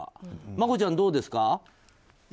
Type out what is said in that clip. マコちゃん、どうですか？